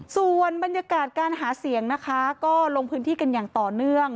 ส่วนบรรยากาศการหาเสียงนะคะก็ลงพื้นที่กันอย่างต่อเนื่อง